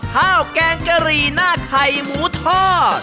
แกงกะหรี่หน้าไข่หมูทอด